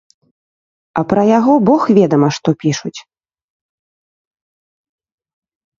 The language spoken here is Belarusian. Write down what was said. А пра яго бог ведама што пішуць.